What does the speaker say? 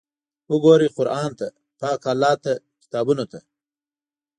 وګورئ قرآن ته، پاک الله ته، کتابونو ته!